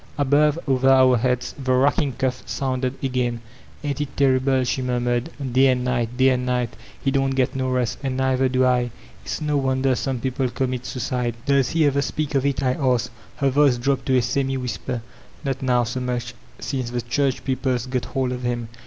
Above, over our heads, the racking cough soonded again. "Aint it terrible?" she murmured. "Day and nig^t, day and nig^t ; he don't get no rest, and nei^er do I. It's no wonder some people commits suidde." "Does he ever speak of it?" I asked. Her voice dropped to a semi whisper. "Not now so much, since the church people's got hold of him.